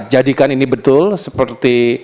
jadikan ini betul seperti